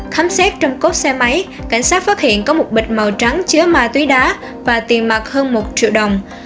khám xét trong cốp xe máy cảnh sát phát hiện có một bịch màu trắng chứa ma túy đá và tiền mặt hơn một triệu đồng